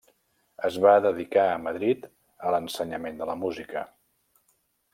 Es va dedicar a Madrid a l'ensenyament de la música.